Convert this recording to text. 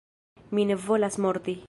Mi ne volas morti!